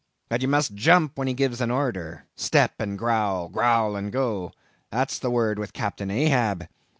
But you must jump when he gives an order. Step and growl; growl and go—that's the word with Captain Ahab.